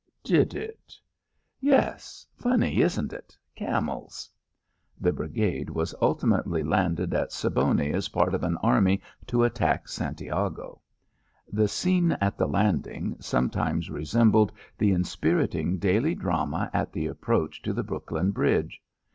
"Did it?" "Yes. Funny, isn't it? Camels!" The brigade was ultimately landed at Siboney as part of an army to attack Santiago. The scene at the landing sometimes resembled the inspiriting daily drama at the approach to the Brooklyn Bridge.